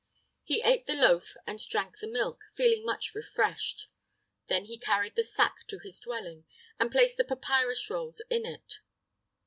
He ate the loaf and drank the milk, feeling much refreshed. Then he carried the sack to his dwelling and placed the papyrus rolls in it.